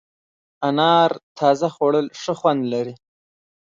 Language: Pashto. انار تازه خوړل ښه خوند لري.